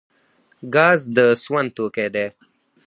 ګاز د سون توکی دی